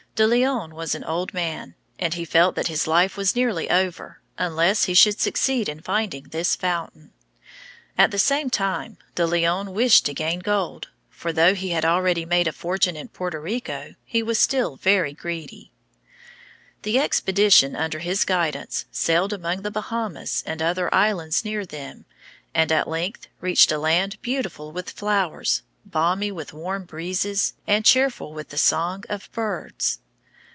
De Leon was an old man, and he felt that his life was nearly over, unless he should succeed in finding this fountain. At the same time De Leon wished to gain gold, for, though he had already made a fortune in Puerto Rico, he was still very greedy. The expedition under his guidance sailed among the Bahamas and other islands near them, and at length reached a land beautiful with flowers, balmy with warm breezes, and cheerful with the song of birds.